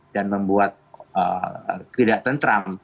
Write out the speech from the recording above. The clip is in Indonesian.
dan membuat tidak tentram